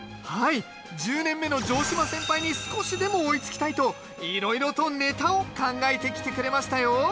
はい１０年目の城島先輩に少しでも追いつきたいといろいろとネタを考えてきてくれましたよ